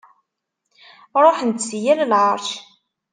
Ṛuḥen-d si yal lɛeṛc.